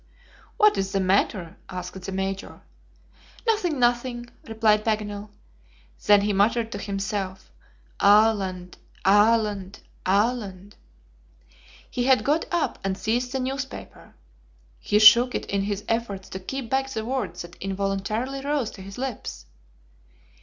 "What is the matter?" asked the Major. "Nothing, nothing," replied Paganel. Then he muttered to himself, "Aland! aland! aland!" He had got up and seized the newspaper. He shook it in his efforts to keep back the words that involuntarily rose to his lips.